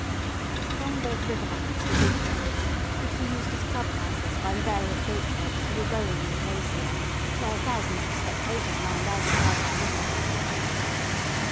Along both river banks were big tents, which were used as club houses by the various boat clubs who were rowing in the races, while thousands of spectators lined either side of the river.